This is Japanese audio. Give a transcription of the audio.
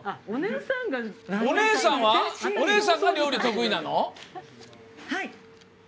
お姉さんが料理得意なの？